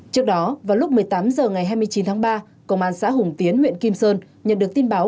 trước đó vào lúc một mươi tám h ngày hai mươi chín tháng ba công an xã hùng tiến huyện kim sơn nhận được tin báo